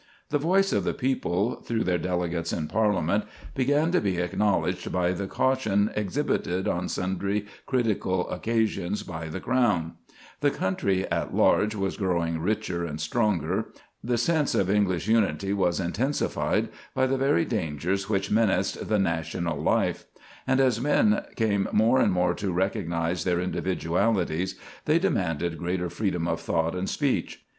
The voice of the people, through their delegates in Parliament, began to be acknowledged by the caution exhibited on sundry critical occasions by the crown; the country at large was growing richer and stronger; the sense of English unity was intensified by the very dangers which menaced the national life; and as men came more and more to recognize their individualities, they demanded greater freedom of thought and speech.